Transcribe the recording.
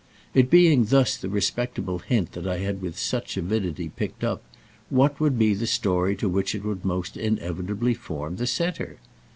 It being thus the respectable hint that I had with such avidity picked up, what would be the story to which it would most inevitably form the centre?